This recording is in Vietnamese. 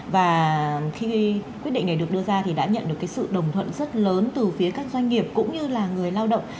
và khi quyết định này được đưa ra thì đã nhận được cái sự đồng thuận rất lớn từ phía các doanh nghiệp cũng như là người lao động